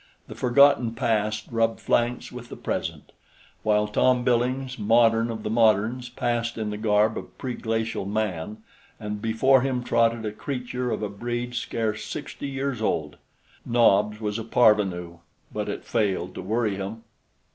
The forgotten past rubbed flanks with the present while Tom Billings, modern of the moderns, passed in the garb of pre Glacial man, and before him trotted a creature of a breed scarce sixty years old. Nobs was a parvenu; but it failed to worry him.